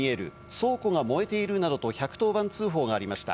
倉庫が燃えているなどと１１０番通報がありました。